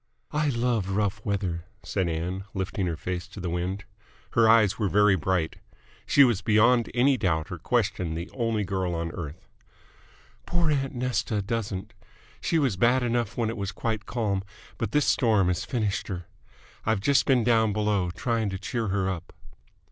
"I love rough weather," said Ann, lifting her face to the wind. Her eyes were very bright. She was beyond any doubt or question the only girl on earth. "Poor aunt Nesta doesn't. She was bad enough when it was quite calm, but this storm has finished her. I've just been down below, trying to cheer her up."